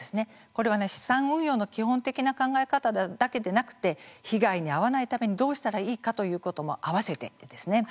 これは、資産運用の基本的な考え方だけでなくて被害に遭わないためにどうしたらいいかということも合わせてですね。